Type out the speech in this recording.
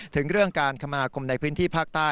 ถึงเรื่องการคมนาคมในพื้นที่ภาคใต้